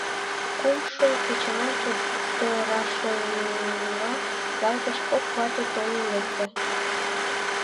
Кумшо кечылан Чодырашойыл ял гыч кок вате толын лекте.